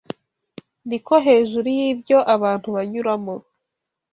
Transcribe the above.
ni ko hejuru y’ibyo abantu banyuramo